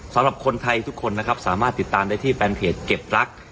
สำหรับคนไทยทุกคนนะครับสามารถติดตามได้ที่แฟนเพจเก็บรัก